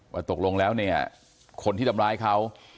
ตกลงแล้วเนี่ยคนที่ทำร้ายเขา